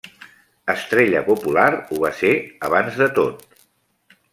Estrella popular ho va ser abans de tot.